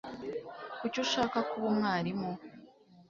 Kuki ushaka kuba umwarimu?